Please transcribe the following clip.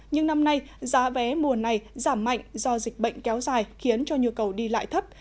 nhưng năm nay giá vé mùa này giảm mạnh do dịch bệnh kéo dài khiến cho nhu cầu đi lại thấp